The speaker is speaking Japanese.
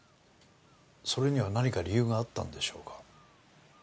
それには何か理由があったんでしょうか？